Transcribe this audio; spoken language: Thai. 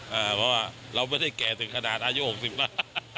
เพราะว่าเราไม่ได้แก่ถึงขนาดอายุ๖๐แล้ว